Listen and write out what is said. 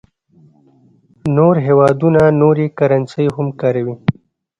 نور هېوادونه نورې کرنسۍ هم کاروي.